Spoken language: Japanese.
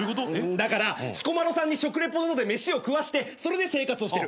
だから彦摩呂さんに食リポの方で飯を食わしてそれで生活をしてる。